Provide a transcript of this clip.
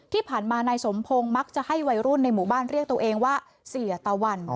ที่ผ่านมานายสมพงศ์มักจะให้วัยรุ่นในหมู่บ้านเรียกตัวเองว่าเสียตะวัน